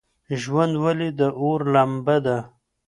ژوند ولې د اور لمبه ده؟